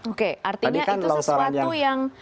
oke artinya itu sesuatu yang